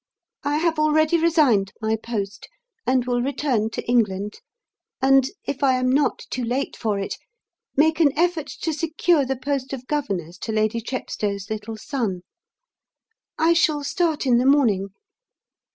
I have already resigned my post, and will return to England, and if I am not too late for it make an effort to secure the post of governess to Lady Chepstow's little son. I shall start in the morning.